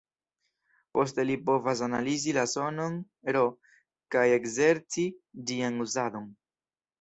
Poste li povas analizi la sonon "r", kaj ekzerci ĝian uzadon.